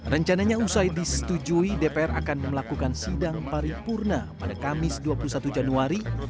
rencananya usai disetujui dpr akan melakukan sidang paripurna pada kamis dua puluh satu januari